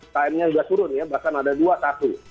time nya sudah turun ya bahkan ada dua tahun